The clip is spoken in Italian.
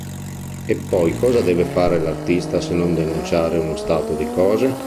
Eppoi cosa deve fare l'artista se non "denunciare" uno stato di cose?